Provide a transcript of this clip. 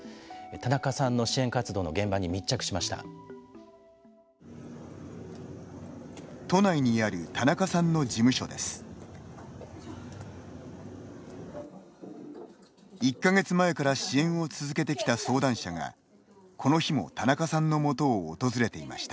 田中さんの支援活動の現場に密着しました。